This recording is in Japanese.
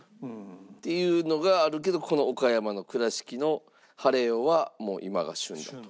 っていうのがあるけどこの岡山の倉敷の晴王はもう今が旬だと。